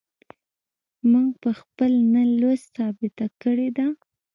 موږ په خپل نه لوست ثابته کړې ده.